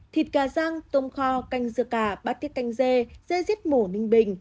thịt cà răng tôm kho canh dưa cà bát tiết canh dê dê giết mổ ninh bình